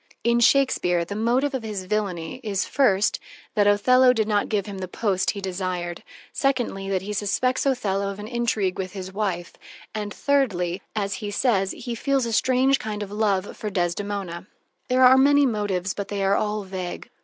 In Shakespeare, the motive of his villainy is, first, that Othello did not give him the post he desired; secondly, that he suspects Othello of an intrigue with his wife and, thirdly, that, as he says, he feels a strange kind of love for Desdemona. There are many motives, but they are all vague.